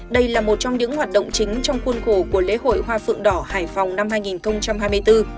đây là một trong những hoạt động chính trong khuôn khổ của lễ hội hoa phượng đỏ hải phòng năm hai nghìn hai mươi bốn